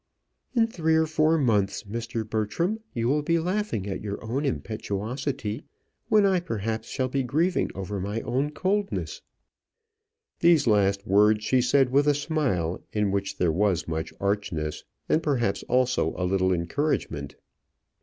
"In three or four months, Mr. Bertram, you will be laughing at your own impetuosity when I perhaps shall be grieving over my own coldness." These last words she said with a smile in which there was much archness, and perhaps also a little encouragement.